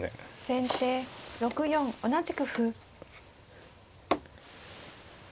先手６四同じく歩。